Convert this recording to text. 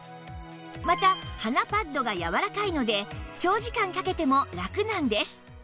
また鼻パッドがやわらかいので長時間かけても楽なんです